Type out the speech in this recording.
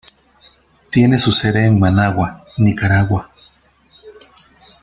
Tiene su sede en Managua, Nicaragua.